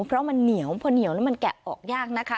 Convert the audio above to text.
เพราะมันเหนียวพอเหนียวแล้วมันแกะออกยากนะคะ